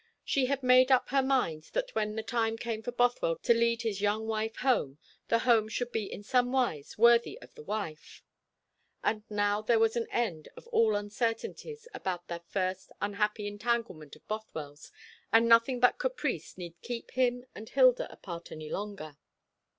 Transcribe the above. She had made up her mind that when the time came for Bothwell to lead his young wife home, the home should be in some wise worthy of the wife. And now there was an end of all uncertainties about that first unhappy entanglement of Bothwell's; and nothing but caprice need keep him and Hilda apart any longer.